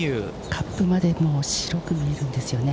カップまでの白く見えるんですよね。